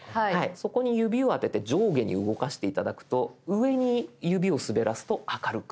そこに指を当てて上下に動かして頂くと上に指を滑らすと明るく。